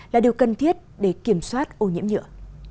là điều cần thiết để kiểm soát ô nhiễm nhựa